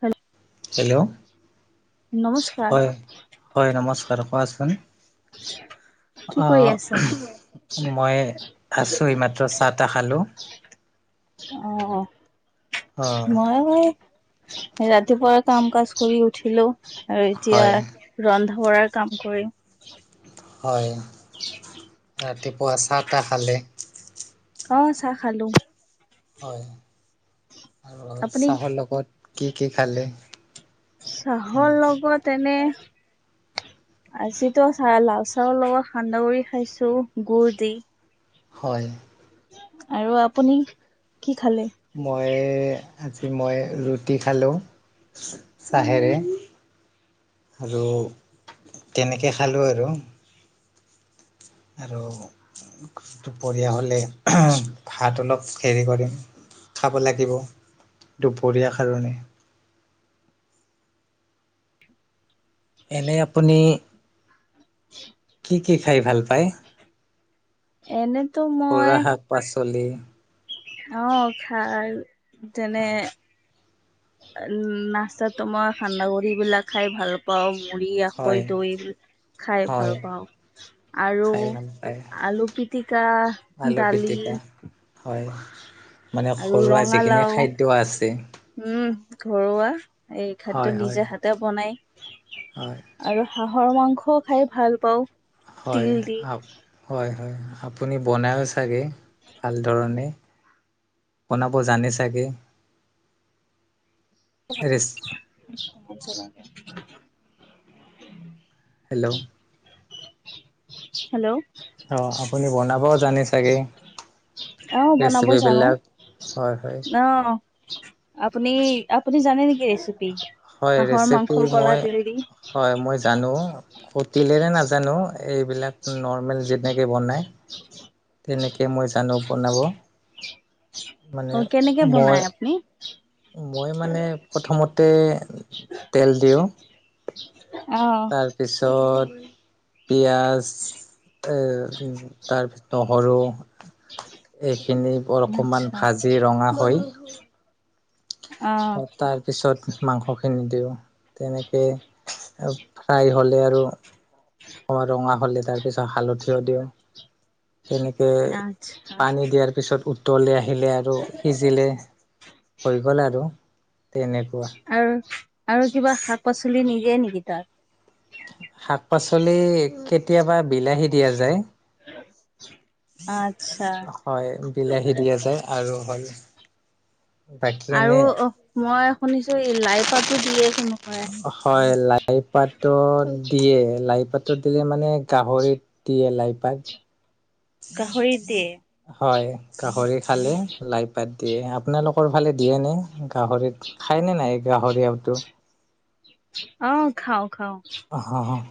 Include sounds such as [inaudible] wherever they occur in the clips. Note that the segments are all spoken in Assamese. হয় হেল্ল' হয় হয় নমস্কাৰ কোৱাচোন কি অ কৰি আছা? মই আছোঁহ মাত্ৰ চাহ তাহ খালো অ অ মই আ এই ৰাতিপুৱাৰ কাম কাজ কৰি উঠিলো আৰু এতিয়া হয় ৰন্ধা বঢ়াৰ কাম কৰিম হয় ৰাতিপুৱা চাহটা খালে অ চাহ খালো হয় আৰু আপুনি চাহৰ লগত কি কি খালে তেনেকুৱা। তেনে। আজিতো চাহ লাল চাহৰ লগত সান্দহ গুৰি খাইছো গুুৰ দি। হয়। আৰু আপুনি কি খালে। মই আজি মই ৰুটি খালোঁ চাহে। হেৰে আৰু তেনেকৈ খালো আৰু। আৰু দুপৰীয়া হ'লে ভাত অলপ হেৰি কৰিম। খাব লাগিব দুপৰীয়াৰ কাৰণে। এনে আপুনি কি কি খাই ভাল পায়। এনেতো মই। খুৰা শাক পাচলি। অ খাই যেনে। নাচটাতো মই সান্দহ গুড়বিলাক খাই ভাল পাওঁ। পাও মুড়ি আখৈ হয় দৈ খাই ভাল হয় পাওঁ আৰু খাই ভাল পায় আলু পিত। পিতিকা আলু দালি। পিটিকা হয় মানে আৰু ঘৰুৱা যিখিনি ৰঙালাও খাদ্য আছে। উম ঘৰুৱা এই খাদ্য হয় হয় নিজে হাতে বনাই। হয়। আৰু হাঁহৰ মাংসও খাই ভাল পাওঁ। হয় তিল দি। আপ হয় হয় আপুনি বনাইও চাগে ভাল ধৰণে। বনাব জানে চাগে। [unintelligible] [unintelligible] হেল্ল'। হেল্ল'। অ আপুনি বনাব জানে চাগে। অহ বনাব জানো ৰেচিপিবিলাক হয় হয় অহ। আপুনি আপুনি জানে নেকি। [unintelligible] হয় হাঁহৰ মাংস ৰেচিপি কলা মই তেৰি দি। হয় মই জানো খটিলেৰে নাজানো এইবিলাক নৰ্মেল যেনেকৈ বনায়। [unintelligible] তেনেকৈ মই জানো বনাব। মানে অ কেনেকে মই বনাই আপুনি। মই মানে প্ৰথমতে তেল দিওঁ। অ', তাৰপিছত। পিঁয়াজ এ তাৰপিছত নহৰু। এইখিনি অকমান আচ্ছা ভাজি ৰঙা হয়। অ', তাৰ পিছত মাংস খিনি দিওঁ তেনেকে। ফ্ৰাই হলে আৰু। [unintelligible] অকণমান ৰঙা হ'লে তাৰপিছত হালধিও দিওঁ তেনেকে আচ্ছা পানী দিয়াৰ। তাৰপিছত উতলে আহিলে আৰু সিজিলে হৈ গ'ল আৰু। তেনেকুৱা। আৰু, আৰু কিবা শাক-পাচলি নিদিয়ে নেকি তাত? শাক-পাচলি কেতিয়াবা বিলাহী দিয়া যায়। [inaudible] আচ্ছা। হয়, বিলাহী দিয়া যায় আৰু হয়। বাকী আৰু এনে অ', মই শুনিছোঁ এই লাইপাতো দিয়ে শুনো। হয়, লাইপাতো দিয়ে লাই পাতো দিয়ে মানে। গাহৰিত দি এ লাইপাত গাহৰিত দিয়ে। হয়। গাহৰি খালে লাই পাত। দিয়ে আপোনালোকৰ ফালে দিয়ে ন গাহৰিত খায়নে নাই গাহৰি আৰুওতো। অ', খাওঁ, খাওঁ।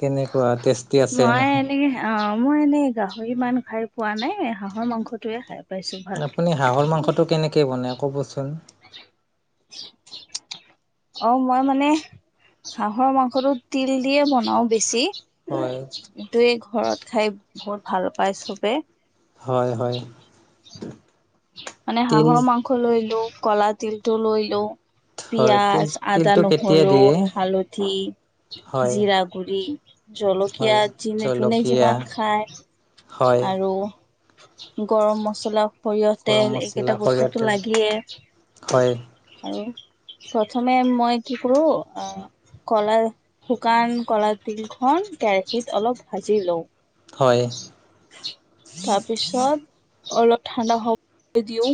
কেনেকুৱা টেষ্ট। মই এনে অ', মই এনেই গাহৰি মান খাই পোৱা নাই হাঁহৰ মাংসটোয়ে খাই। পাইছো ভালকে। আপুনি হাঁহৰ মাংসটো কেনেকৈ বনায় ক'বচোন? [inaudible] অ', মই মানে হাঁহৰ মাংসটো তিল দিয়ে বনাওঁ বেছি। হয়, তয়ে ঘৰত খাই বহুত ভাল পাই চবে। হয়, হয়। মানে তিল হাঁহৰ মাংস লৈ লো কলা তিলটো লৈ লওঁ। হয়, তিল পিয়াজ, আদা, তিলটো কেতিয়া নহৰু, দিয়ে? হালধি। হয়, জিৰা গুৰি হয়, জলকীয়া যনে যোনে জলকীয়া যিমান খায়। হয়, আৰু। গৰম মছলা সৰিয়হ গৰম তেল মছলা, এইকেইটা সৰিয়হ বস্তুটো তেল লাগিয়ে। হয়, আৰু প্ৰথমে মই কি কৰোঁ আহ। কলা শুকান কলা তিলখন কেৰাহীত অলপ ভাজি লওঁ। হয়। ত পিছত অলপ ঠাণ্ডা হব দিওঁ।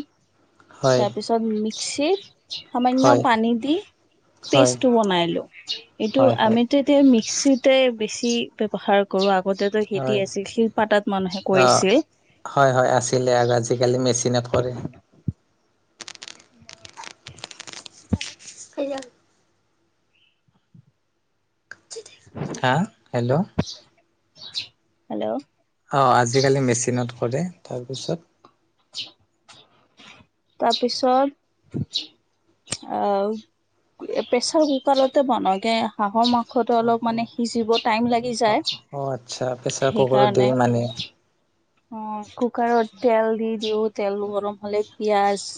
হয়, তাৰপিছত মিক্সিত। সামান্য হয়, পানী দি হয়, পেষ্টটো বনাই লওঁ এইটো হয়, হয়, আমিতে এতিয়া মিক্সিতে বেছি ব্যৱহাৰ। কৰো আগতে সেতি হয়, আছিল শিল পাতাত মানুহে অ'। কৰিছিল। হয়, হয় আছিলে আৰু আজিকালি মেচিনত কৰে। [unintelligible] হা হেল্ল'। হেল্ল'। অ', আজিকালি মেচিনত কৰে তাৰপিছত। তাৰপিছত। অ', প্ৰেচাৰ কুকাৰতে বনাওঁতে। হাঁহৰ মাংসটো অলপ মানে সিজিব টাইম লাগি অ', যায় অ', আচ্ছা, প্ৰেছাৰ কুকাৰত সেইকাৰণে। দিয়ে মানে। অ', কুকাৰত তেল দি দিওঁ তেল গৰম হ'লে পিয়াজ।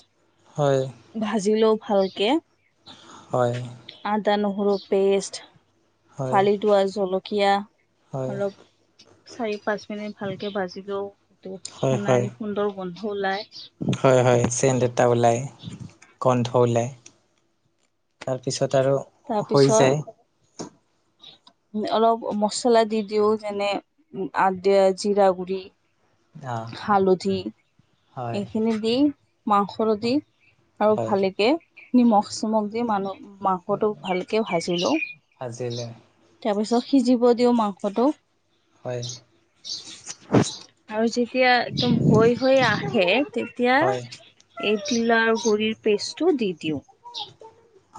হয়। ভাজি লওঁ ভালকে। হয়। আদা, নহৰু পেষ্ট হয় ফালি থোৱা জলকীয়া হয় অলপ। চাৰি, পাঁচ মিনিট ভালকে বাজিলেও সেইটো হয় হয় সোণাৰি সুন্দৰ। গোন্ধ ওলাই। হয়, হয় চেণ্ড এটা ওলাই গোন্ধ ওলায়। তাৰ পিছত আৰু হৈ তাৰপিছত যায়। অলপ মছলা দি দিওঁ যেনে আদিয়া জিৰা গুৰি। অ হালধি হয় এইখিনি দি মাংস দি হয় আৰু হয় ভালেকে নিমখ চমখ দি মানুহ মাংসটো ভালকে ভাজিিলো ভাজিলে তাৰপিছত সিজিব দিওঁ মাংসটো হয় আ আৰু যেতিয়া একদম হৈ হৈ আহে তেতিয়া হয় এইডলা আৰু গুড়িৰ পেষ্টটো দি দিওঁ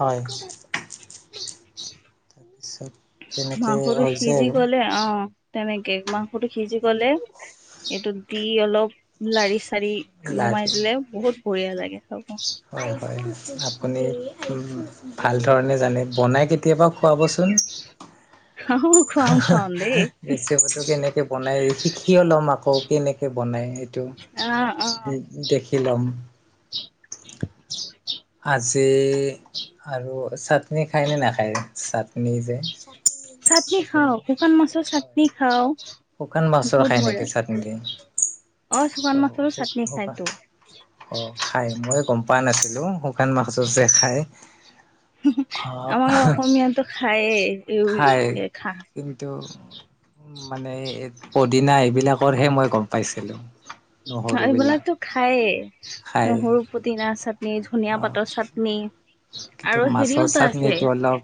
হয় হয় তাৰপিছত মাংসটো সিজি গ'লে অ তেনেকে মাংসটো সিজি গ'লে এইটো দি অলপ লাৰি চাৰি নমাই লাৰি দিলে বহুত বঢ়িয়া লাগে চব হয় হয় আপুনি ভাল ধৰণে জানে বনাই কেতিয়াবা খুৱাবচোন হ ৰেচিপিটো কেনেকে বনাই শিকি ল'ম আকৌ কেনেকে বনাই সেইটো অ অ উ দেখিলাম উ আজি আৰু চাটনি খায় নে নাখায় চাটনি যে চাটনি খাওঁ শুকান মাছৰ চাটনি খাওঁ শুকান মাছৰ বহুত খায় মৰ ল নেকি চাটনি দি অ শুকান মাচলো চাটনি শুকান খাইতো অ খাই মই গম পোৱা নাছিলো শুকান মাছ যে খাই অ আমাৰ অসমীয়াটোো খায় খায়েই খা কিন্তু মানে পদিনা এইবিলাকৰহে মই গম পাইছিলো এইবিলাকো খায়েই খাই নহৰু পুটনা চাটনি ধুনিয় অ পাতৰ চাটনি ন কিন্তু আৰু মাছৰ হেৰিওতো আছে চাটনিটো অলপ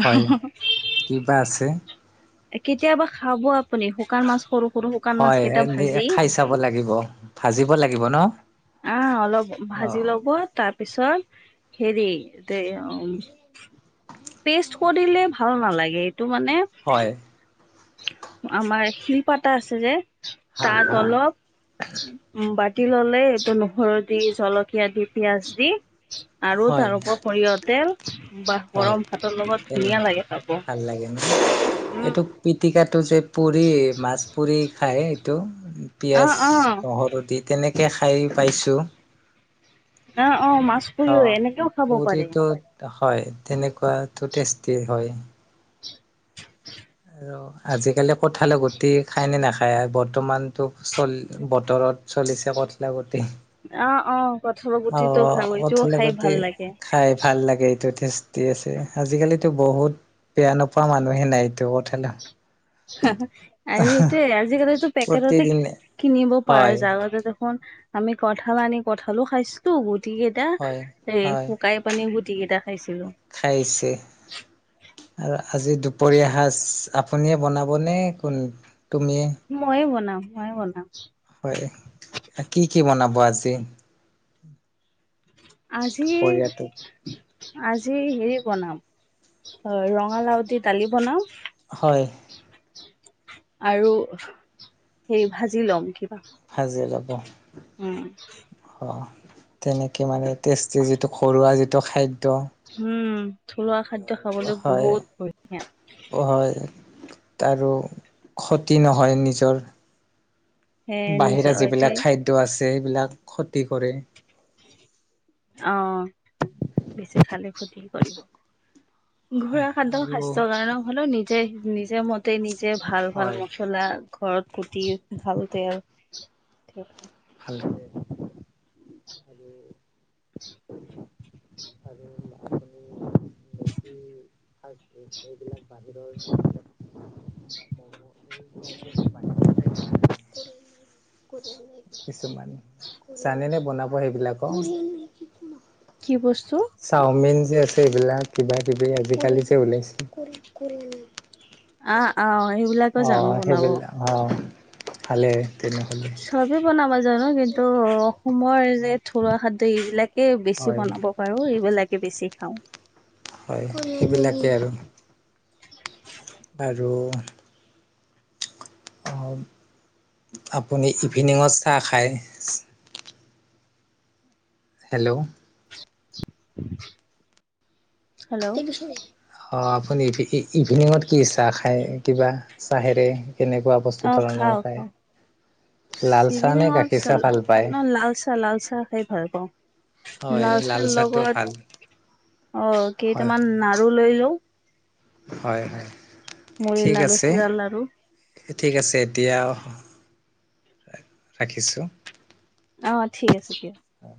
হয় কিবা আছে কেতিয়াবা খাব আপুনি শুকান মাছ সৰু সৰু শুকান মাছ হয় কেইটা ভাজি খাই চাব লাগিব ভাজিব লাগিব ন আহ অলপ ভাজি অ ল'ব তাৰপিছত হেৰি অ পেষ্ট কৰি দিলে ভাল নালাগে এইটো মানে হয় আমাৰ শপা আছে যে হা হা তাত অলপ উ বাতি ললে এইটো নহৰু দি জলকীয়া দি পিয়াজ দি আৰু হয় তাৰপৰত সৰিয়হ তেল বাহ হয় গৰম ভাতৰ লগত তেনে ধুনীয়া লাগে চাব ভাল লাগে ন এইটো পিটিকাটো যে পুৰি মাছ পুৰি খায় এইটো অ পিয়ঁয়াজ অ নহৰু দি তেনেকৈ খাই পাইছোঁ অ অ মাছ অ পৰিও এনেকেও খাব পাৰে পুৰিটো হয় তেনেকুৱো টেষ্টি হয় আৰু আজিকালি কঠালে গুটি খায় নে নাখায় বৰ্তমানতো চল বতৰত চলিছে কঠ লগতে অ অ কঠৰৰ গুটিটো খাব এইটোও খাই কঁঠালগুটি ভাল লাগে খাই ভাল লাগে এইটো টেষ্টি আছে আজিকালিো বহুত বেয়া নোপোৱা মানুহে নাই এইটো কথা ন আৰু সেইটোৱ আজি ক পেকেটতে প্ৰতিদিনে কিনিব পাৰ হয়, জতে দেখোন আমি কঠাল আনি কঠালো খাইছিলো গতিকে এটা হয়, এই হয় শুকাই পানী গুটি কেইটা খাইছিলো খাইছে আৰু আজি দুপৰীয়া সাজ আপুনিয়ে বনাবনে কোন তুমিয় ময়ো বনাওঁ মইে বনাওঁ। হয়, কি কি বনাব আজি? আজি দুপৰীয়াটো? আজি হেৰি বনাম, অ, ৰঙালাউতি দালি বনাম, হয়, আৰু সেই ভাজি লম কিবা। ভাজি ল'ব। উম তেনেকৈ মানে টেষ্টি যিটো ঘৰুৱা যিটো খাদ্য, উম, থলুৱা খাদ্য খাবলৈ হয়, বহুত ধুনীয়া। হয়। আৰু ক্ষতি নহয় নিজৰ সে নিজৰ বাহিৰা এইটোৱে যিবিলাক খাদ্য টো আছে সেইবিলাক ক্ষতি কৰে। অ, বেছি খালে ক্ষতি কৰিব। ঘোঁৰা হয় খাদ্য আৰু স্বাস্থ্যৰ কাৰণে হলেও নিজে নিজে মতে নিজে ভাল ভাল হয় মতে চলা ঘৰত কুটি ভাল তেল [inaudible] [inaudible] [unintelligible] [unintelligible] [unintelligible] কিছুমান জানে নে বনাব সেইবিলাকক? কি বস্তু? চাওমিন যে আছে এইবিলাক কিবা কিবি আজিকালি যে ওলাইছে। [inaudible] আহ অ সেইবিলাকে অ জানো বনাব। সেইবিলাক অ, ভালে তেনে হলে। চবেই বনাব জানো কিন্তু অসমৰ যে থলুৱা খাদ্য এইবিলাকেই বেছি হয় বনাব বাৰু এইবিলাকে বেছি খাওঁ। হয়, সেইবিলাকেই আৰু। আৰু অ, আপুনি ইভিনিঙত চাহ খায়? হেল্ল'। হেল্ল' অ, আপুনি ইভিনিঙত কি চাহ খাই কিবা চাহেৰে কেনেকুৱা বস্তু ধৰণৰ খায়। লাল চাহ নে চিৱঙত গাখীৰ চ চাহ ভাল পায়? ন লাল চাহ লাল চাহ খাই ভাল পাওঁ। হয় লাল লালচাল চাহটো লগত ভাল অ হয় কেইটামান হয় নাৰু লৈ লো। হয়, হয়, মুড়ি ঠিক লাৰু আছে চিৰা লাৰু ঠিক আছে দিয়া, ৰাখিছোঁ। অ, ঠিক আছে ঠিক আছে। হয়।